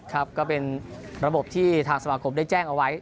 ครับก็เป็นระบบที่ทางสมาคมได้แจ้งเอาไว้